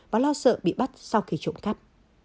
và lo sợ bị bắt sau khi trộm cắp